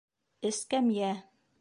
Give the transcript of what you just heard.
Эскәмйә.